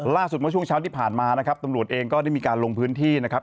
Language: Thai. เมื่อช่วงเช้าที่ผ่านมานะครับตำรวจเองก็ได้มีการลงพื้นที่นะครับ